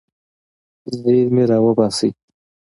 زیرمې راوباسئ.